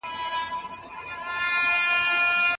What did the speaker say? چېري سوله ییزې لاري ډېرې بریالۍ دي؟